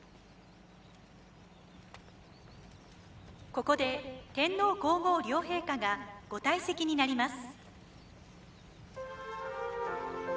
ここで天皇皇后両陛下がご退席になります。